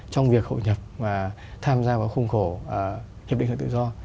trong việc hội nhập và tham gia vào khung khổ hiệp định tự do